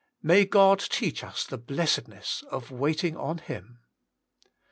May God teach us the blessedness of waiting on Him.